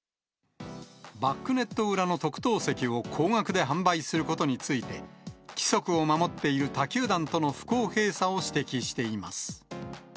バックネット裏の特等席を高額で販売することについて、規則を守っている他球団との不公平さを指摘しています。